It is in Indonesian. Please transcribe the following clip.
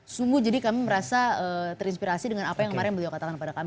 sungguh jadi kami merasa terinspirasi dengan apa yang kemarin beliau katakan kepada kami